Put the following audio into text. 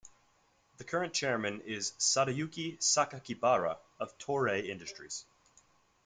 The current chairman is Sadayuki Sakakibara of Toray Industries.